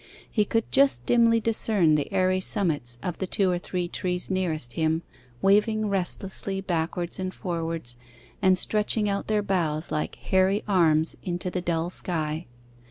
He could just dimly discern the airy summits of the two or three trees nearest him waving restlessly backwards and forwards, and stretching out their boughs like hairy arms into the dull sky.